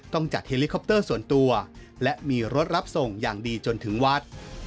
ต้องจัดเฮลิคอปเตอร์ส่วนตัวและมีรถรับส่งอย่างดีจนถึงวัด